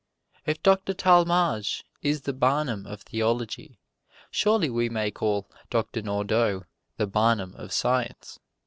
If Doctor Talmage is the Barnum of Theology, surely we may call Doctor Nordau the Barnum of Science.